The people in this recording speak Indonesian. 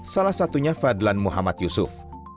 salah satunya fadlan muhammad yusuf